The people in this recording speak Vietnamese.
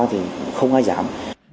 thì không ai giảm